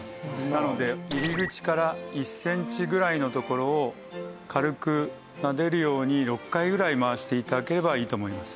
なので入り口から１センチぐらいのところを軽くなでるように６回ぐらい回して頂ければいいと思います。